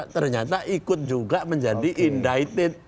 ternyata ikut juga menjadi indited